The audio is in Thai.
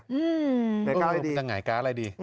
อืมหงายก๊าซอะไรดี